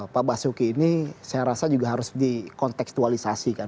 pak basuki ini saya rasa juga harus dikontekstualisasikan